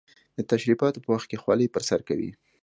د تشریفاتو په وخت کې خولۍ پر سر کوي.